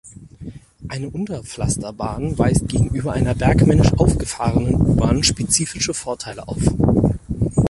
Eine Unterpflasterbahn weist gegenüber einer bergmännisch aufgefahrenen U-Bahn spezifische Vorteile auf.